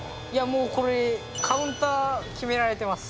もうこれカウンター決められてます。